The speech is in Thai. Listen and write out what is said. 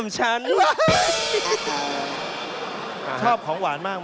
ชอบของหวานมาส์มั้ย